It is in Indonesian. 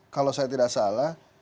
kalau saya tidak salah